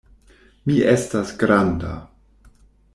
Mi estas granda.